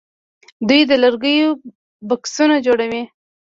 دوی د لرګیو بکسونه جوړوي.